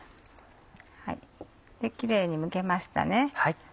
キレイにむけました。